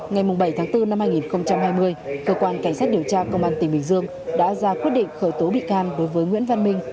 ngày bảy tháng bốn năm hai nghìn hai mươi cơ quan cảnh sát điều tra công an tỉnh bình dương đã ra quyết định khởi tố bị can đối với nguyễn văn minh